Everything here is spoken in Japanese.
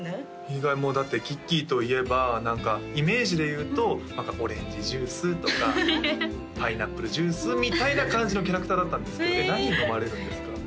意外だってきっきーといえばイメージでいうとオレンジジュースとかパイナップルジュースみたいな感じのキャラクターだったんですけど何飲まれるんですか？